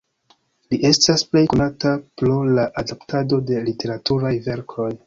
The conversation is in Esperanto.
Li estas plej konata pro la adaptado de literaturaj verkoj.